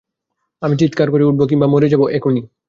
আমি চিৎকার করে উঠব কিংবা মরে যাব এখুনি।